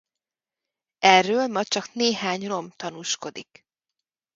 Erről ma csak néhány rom tanúskodik.